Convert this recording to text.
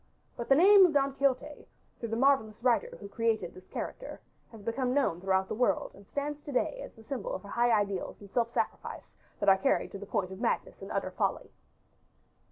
But the name of Don Quixote, through the marvelous writer who created this character, has become known throughout the world, and stands to day as the symbol for high ideals and self sacrifice that are carried to the point of madness and utter folly.